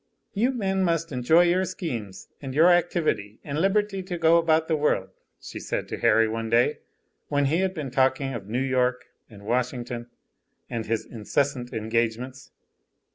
"You men must enjoy your schemes and your activity and liberty to go about the world," she said to Harry one day, when he had been talking of New York and Washington and his incessant engagements.